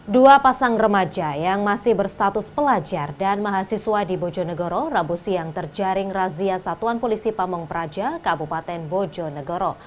dua pasang remaja yang masih berstatus pelajar dan mahasiswa di bojonegoro rabu siang terjaring razia satuan polisi pamung praja kabupaten bojonegoro